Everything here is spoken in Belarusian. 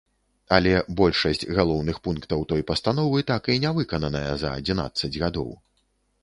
Але большасць галоўных пунктаў той пастановы так і нявыкананая за адзінаццаць гадоў.